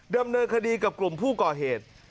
ดำเนินคดีกับกลุ่มผู้ก่อเหตุ